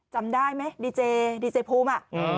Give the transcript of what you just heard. จำได้ไหมดีเจดีเจภูมิอ่ะ